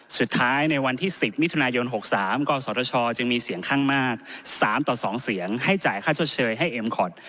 สุดท้ายในวันที่๑๐มิถุนายน๖๓กศชจึงมีเสียงข้างมาก๓ต่อ๒เสียงให้จ่ายค่าชดเชยให้เอ็มคอร์ด